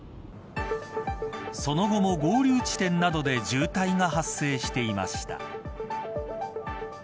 その後も合流地点などで渋滞が発生していました。